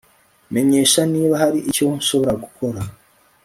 Menyesha niba hari icyo nshobora gukora